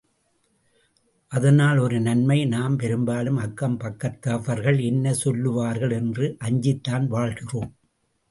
அதனால் ஒரு நன்மை, நாம் பெரும்பாலும் அக்கம் பக்கத்தவர்கள் என்ன சொல்வார்கள் என்று அஞ்சித்தான் வாழ்கிறோம்.